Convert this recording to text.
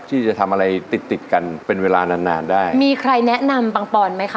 ที่จะทำอะไรติดติดกันเป็นเวลานานนานได้มีใครแนะนำปังปอนไหมคะ